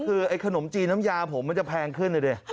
คือขนมจีนน้ำยามันจะแพงขึ้นเลย